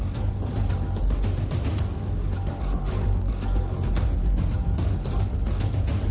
แกไม่ต้องให้แกทำหลังแล้ว